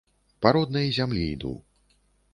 Па роднай зямлі іду.